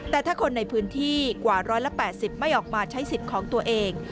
แต่ถ้าคนในพื้นที่กว่า๑๘๐ไม่ออกมาใช้สิทธิ์ของตัวเอง